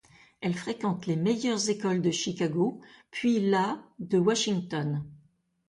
Elle fréquente les meilleures écoles de Chicago puis la de Washington.